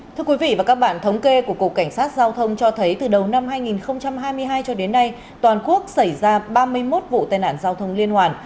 thưa quý vị và các bạn thống kê của cục cảnh sát giao thông cho thấy từ đầu năm hai nghìn hai mươi hai cho đến nay toàn quốc xảy ra ba mươi một vụ tai nạn giao thông liên hoàn